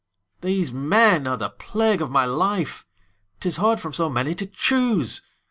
These men are the plague of my life: 'Tis hard from so many to choose!